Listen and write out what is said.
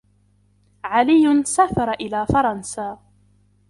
عَلِيٌّ سَافَرَ إِلَى فَرَنْسا.